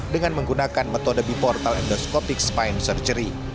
dengan menggunakan metode biportal endoscopic spine surgery